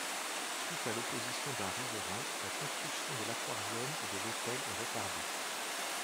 Suite à opposition d'un riverain, la construction de l'aquarium et de l'hôtel est retardée.